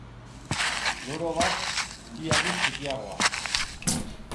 Loro bat, bi aldiz txikiagoa.